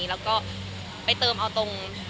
แล้วก็ไปเติมเอาตรง